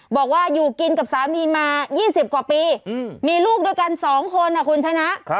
บอกว่าอยู่กินกับสามีมา๒๐กว่าปีมีลูกด้วยกัน๒คนนะคุณชนะ